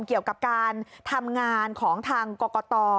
เกี่ยวกับการทำงานของทางกรกต